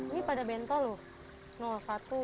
ini pada bentol loh